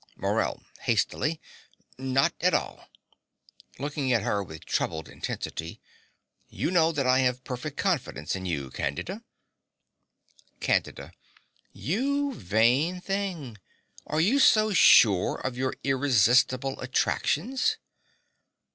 MORELL (hastily). Not at all. (Looking at her with troubled intensity.) You know that I have perfect confidence in you, Candida. CANDIDA. You vain thing! Are you so sure of your irresistible attractions?